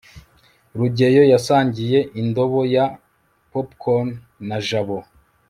rugeyo yasangiye indobo ya popcorn na jabo